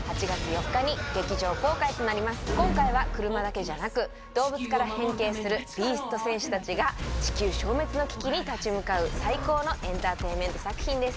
今回は車だけじゃなく動物から変形するビースト戦士たちが地球消滅の危機に立ち向かう最高のエンターテインメント作品です。